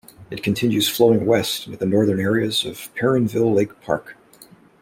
It continues flowing west into the northern areas of Perrineville Lake Park.